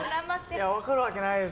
分かるわけないです。